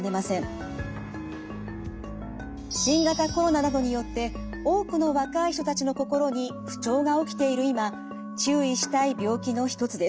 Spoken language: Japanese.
新型コロナなどによって多くの若い人たちの心に不調が起きている今注意したい病気の一つです。